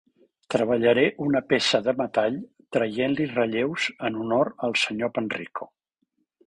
Treballaré una peça de metall traient-li relleus en honor al senyor Panrico.